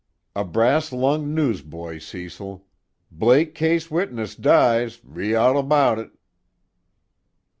"A brass lunged newsboy, Cecil: 'Blake Case Witness Dies ree aw abowit!'"